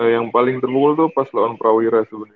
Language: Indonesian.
yang paling terungul tuh pas lawan prawira sebenernya